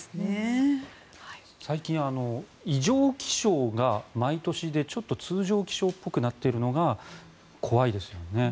最近、異常気象が毎年で通常気象っぽくなっているのが怖いですよね。